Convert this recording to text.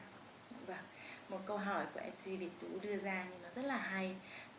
một câu hỏi của mc việt thủ đưa ra rất là hay